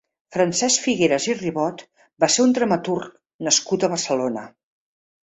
Francesc Figueras i Ribot va ser un dramaturg nascut a Barcelona.